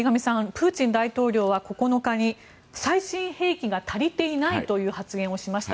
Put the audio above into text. プーチン大統領は９日に最新兵器が足りていないという発言をしました。